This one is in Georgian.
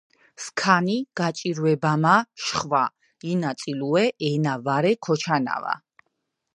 სქანი გაჭირებამა შხვა ინაწილუე ენა ვარე კოჩანავა